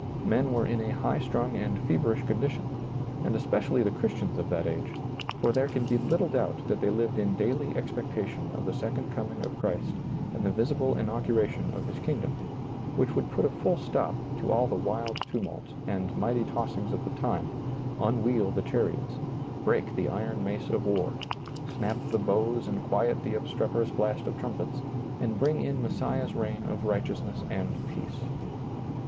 Men were in a high strung and feverish condition, and especially the Christians of that age, for there can be little doubt that they lived in daily expectation of the second coming of Christ and the visible inauguration of His kingdom, which would put a ^lailizccbvGoOgle i68 SEEING DARKLY full stop to all the wild tumult and mighty tossings of the time, unwheel the chariots, break the iron mace of war, snap the bows and quiet the obstrep erous blast of trumpets, and bring in Messiah's reign of righteousness and peace.